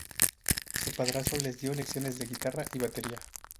Su padrastro les dio lecciones de guitarra y batería.